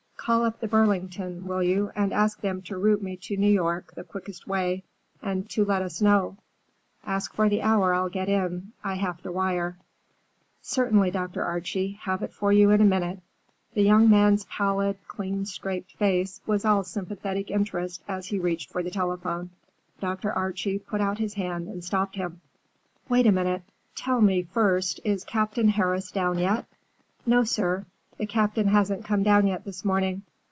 Call up the Burlington, will you, and ask them to route me to New York the quickest way, and to let us know. Ask for the hour I'll get in. I have to wire." "Certainly, Dr. Archie. Have it for you in a minute." The young man's pallid, clean scraped face was all sympathetic interest as he reached for the telephone. Dr. Archie put out his hand and stopped him. "Wait a minute. Tell me, first, is Captain Harris down yet?" "No, sir. The Captain hasn't come down yet this morning."